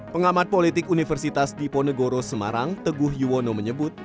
pengamat politik universitas diponegoro semarang teguh yuwono menyebut